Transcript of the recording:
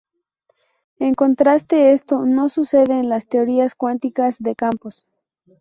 En contraste, esto no sucede en las teorías cuánticas de campos.